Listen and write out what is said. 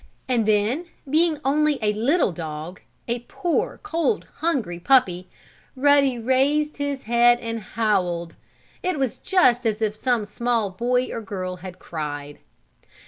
And then, being only a little dog a poor, cold, hungry puppy, Ruddy raised his head and howled. It was just as if some small boy or girl had cried.